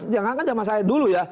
jangan kan zaman saya dulu ya